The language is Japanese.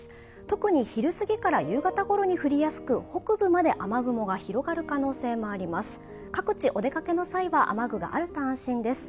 特に昼過ぎから夕方ごろに降りやすく北部まで雨雲が広がる可能性もあります。